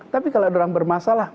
tapi kalau orang bermasalah